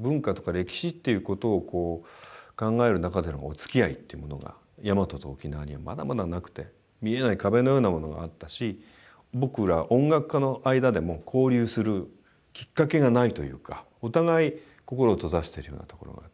文化とか歴史っていうことを考える中でのおつきあいっていうものがヤマトと沖縄にはまだまだなくて見えない壁のようなものがあったし僕ら音楽家の間でも交流するきっかけがないというかお互い心を閉ざしてるようなところがあって。